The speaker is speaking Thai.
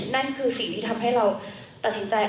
นั่นคือสิ่งที่ทำให้เราตัดสินใจ